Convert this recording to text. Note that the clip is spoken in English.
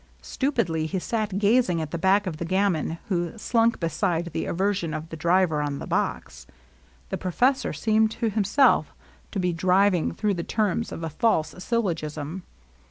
Stupidly he sat gaz ing at the back of the gamin who slunk beside the aversion of the driver on the box. The professor seemed to himself, to be driving through the terms of a false syllogism.